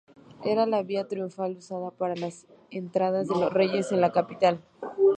Era la vía triunfal usada para las entradas de los reyes en la capital.